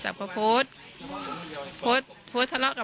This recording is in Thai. สวัสดีครับ